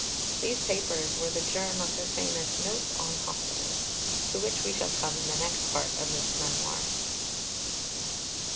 These Papers were the germ of her famous Notes on Hospitals, to which we shall come in the next Part of this Memoir.